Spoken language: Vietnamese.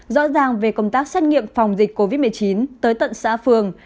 rõ ràng về công tác xét nghiệm phòng dịch covid một mươi chín tới tận xã phường